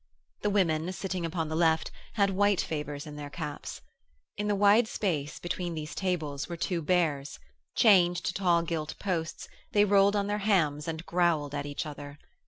The women, sitting upon the left, had white favours in their caps. In the wide space between these tables were two bears; chained to tall gilt posts, they rolled on their hams and growled at each other.